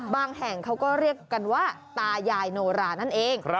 แห่งเขาก็เรียกกันว่าตายายโนรานั่นเอง